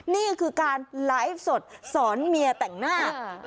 นี่คือการไลฟ์สดสอนเมียแต่งหน้า